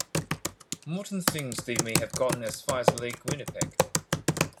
Morton thinks they may have gotten as far as Lake Winnipeg.